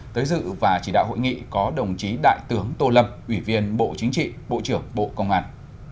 tới dự và chỉ đạo hội nghị có đồng chí đại tướng tô lâm ủy viên bộ chính trị bộ trưởng bộ công an